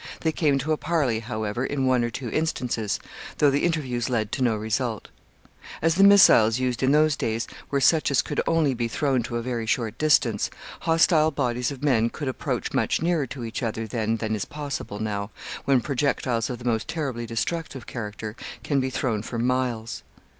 They came to a parley, however, in one or two instances, though the interviews led to no result. As the missiles used in those days were such as could only be thrown to a very short distance, hostile bodies of men could approach much nearer to each other then than is possible now, when projectiles of the most terribly destructive character can be thrown for miles.